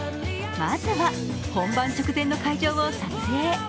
まずは、本番直前の会場を撮影。